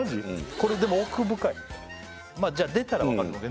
これでも奥深いまあじゃあ出たらわかるようん